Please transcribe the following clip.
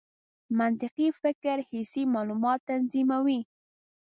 منطقي فکر حسي معلومات تنظیموي.